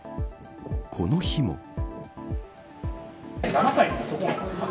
この日も。